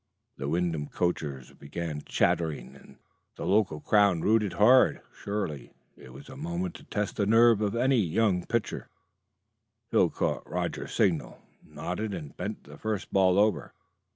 The Wyndham coachers began chattering, and the local crowd "rooted" hard. Surely it was a moment to test the nerve of any young pitcher. [Illustration: The local crowd "rooted" hard.] Phil caught Roger's signal, nodded, and bent the first ball over.